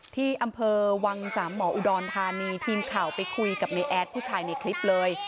ที่อำเภอวังสามหมออุดรธานีทีมข่าวไปคุยกับในแอดผู้ชายในคลิปเลย